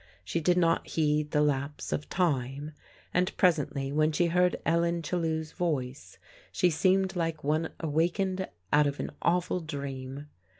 She did not heed the lapse of time, and presently, when she heard Ellen Chellew's voice, she seemed like one awakened out of an awful dream.